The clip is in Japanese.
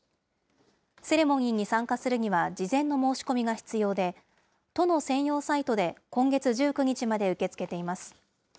セレモニーに参加するには、事前の申し込みが必要で、都の専用サイトで今月１９日まで受け付けています。